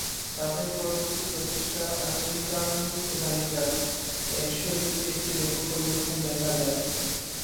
তাদের পরবর্তী প্রচেষ্টা, "আমেরিকানরাইজার" এর শৈলীতে একটি ব্যাপক পরিবর্তন দেখা যায়।